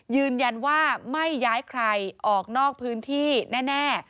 ยืนยันว่าไม่ย้ายใครออกนอกพื้นที่แน่